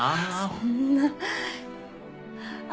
そんなあ